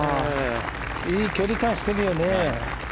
いい距離感してるよね。